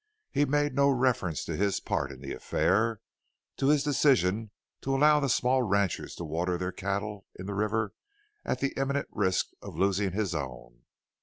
He made no reference to his part in the affair to his decision to allow the small ranchers to water their cattle in the river at the imminent risk of losing his own.